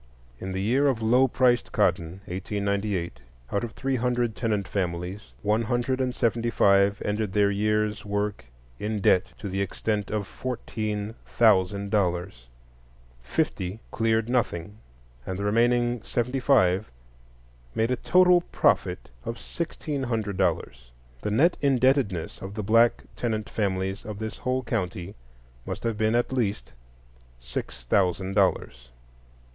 In the year of low priced cotton, 1898, out of three hundred tenant families one hundred and seventy five ended their year's work in debt to the extent of fourteen thousand dollars; fifty cleared nothing, and the remaining seventy five made a total profit of sixteen hundred dollars. The net indebtedness of the black tenant families of the whole county must have been at least sixty thousand dollars.